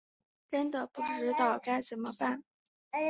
真的不知道该怎么办